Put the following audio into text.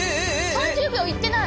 ３０秒いってない！